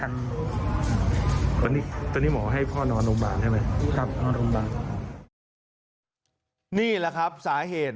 นี่แหละครับสาเหตุ